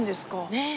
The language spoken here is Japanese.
ねえ。